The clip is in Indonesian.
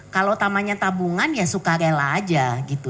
kalau tamanya tabungan ya suka rela aja gitu